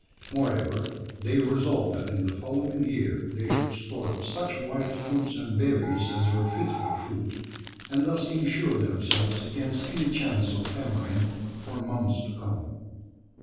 Moreover, they resolved that in the following year they should store up such wild fruits and berries as were fit for food; and thus insure themselves against any chance of famine for months to come.